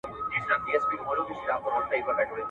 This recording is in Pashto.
آیا په دې لاره کي له ستونزو سره مقابله کول پکار دي؟